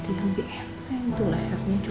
itu lehernya juga lebih enak